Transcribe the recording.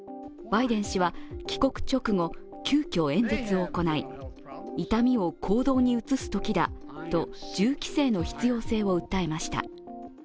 バイデン氏は帰国直後、急きょ演説を行い、痛みを行動に移すときだと銃規制の必要性を訴えました。